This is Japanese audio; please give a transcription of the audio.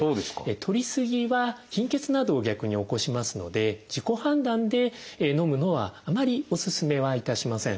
とりすぎは貧血などを逆に起こしますので自己判断でのむのはあまりおすすめはいたしません。